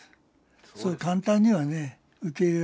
そう簡単にはね受け入れられない。